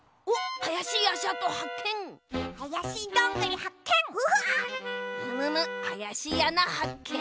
あやしいあなはっけん！